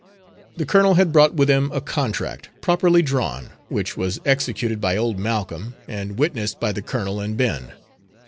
The colonel had brought with him a contract, properly drawn, which was executed by old Malcolm, and witnessed by the colonel and Ben.